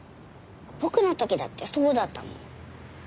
僕の時だってそうだったもん。